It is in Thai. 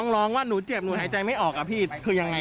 ยังอยากคบกับเมียไหมพี่ตอนนี้